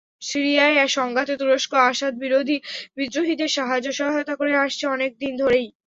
সিরিয়ার সংঘাতে তুরস্ক আসাদবিরোধী বিদ্রোহীদের সাহায্য-সহায়তা করে আসছে অনেক দিন ধরেই।